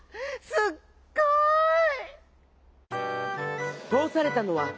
「すっごい！